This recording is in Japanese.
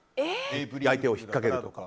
相手をひっかけるとか。